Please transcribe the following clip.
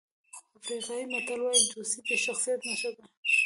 افریقایي متل وایي دوستي د شخصیت نښه ده.